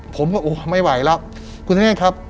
ผมก็ไม่ไหวแล้ว